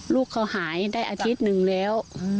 ลูกเขาหายได้อาทิตย์หนึ่งแล้ว